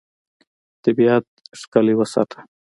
طبیعت ښکلی وساته.